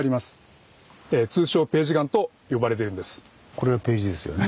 これ「ページ」ですよね。